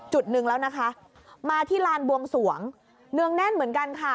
จุดหนึ่งแล้วนะคะมาที่ลานบวงสวงเนืองแน่นเหมือนกันค่ะ